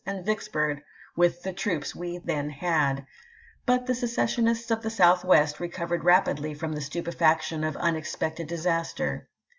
and Vicksburg with the troops we then had "; but the secessionists of the Southwest recovered rapidly from the stupefaction of unexpected dis aster.